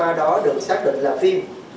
thì chúng tôi cũng có thể xác định là phim